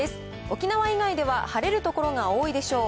沖縄以外では晴れる所が多いでしょう。